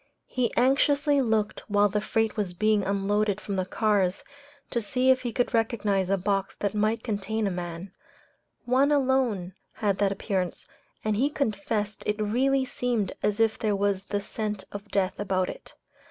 He anxiously looked while the freight was being unloaded from the cars, to see if he could recognize a box that might contain a man; one alone had that appearance, and he confessed it really seemed as if there was the scent of death about it.